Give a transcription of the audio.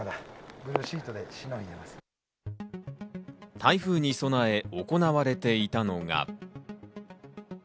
台風に備え行われていたのが。